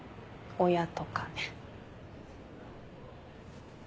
親とかね。